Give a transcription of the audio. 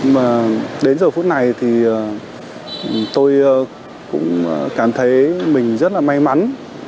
mà đến giờ phút này thì tôi cũng cảm thấy mình rất là may mắn